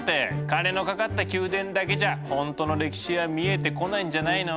カネのかかった宮殿だけじゃ本当の歴史は見えてこないんじゃないの？